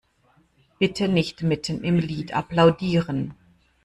Bitte nicht mitten im Lied applaudieren!